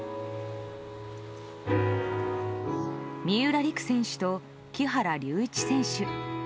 三浦璃来選手と木原龍一選手。